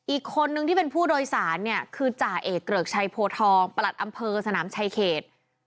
อีกคนนึงที่เป็นผู้โดยสารเนี่ยคือจ่าเอกเกริกชัยโพทองประหลัดอำเภอสนามชายเขต